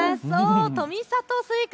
富里スイカ